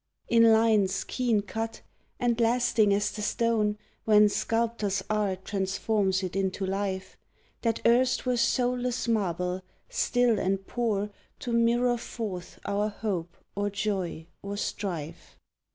In lines keen cut, and lasting as the stone When sculptor's art transforms it into life That erst were soulless marble, still and poor To mirror forth our hope or joy or strife!